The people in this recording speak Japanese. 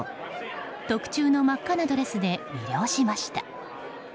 特注の真赤なドレスで魅了しました。